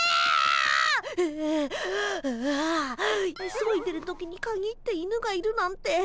急いでる時にかぎって犬がいるなんてついてないな。